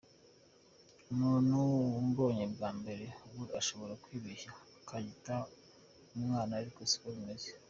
Umuntu umbonye bwa mbere we ashobora kwibeshya akanyita umwana ariko siko bimeze.